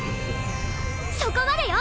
そこまでよ！